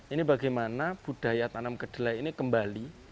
ini bagaimana budaya tanam kedelai ini kembali